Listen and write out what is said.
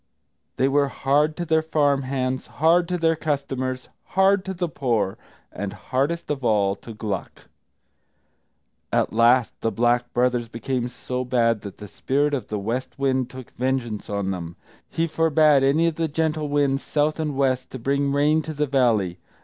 They were hard to their farm hands, hard to their customers, hard to the poor, and hardest of all to Gluck. At last the Black Brothers became so bad that the Spirit of the West Wind took vengeance on them; he forbade any of the gentle winds, south and west, to bring rain to the valley.